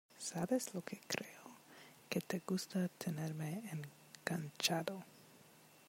¿ sabes lo que creo? que te gusta tenerme enganchado